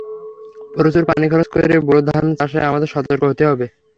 প্রচুর পানি খরচ করে বোরো ধান চাষে আমাদের সতর্ক হতে হবে।